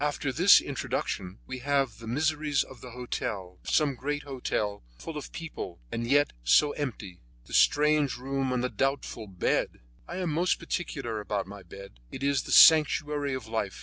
After this introduction, we have the miseries of the hotel; of some great hotel full of people, and yet so empty; the strange room and the doubtful bed! I am most particular about my bed; it is the sanctuary of life.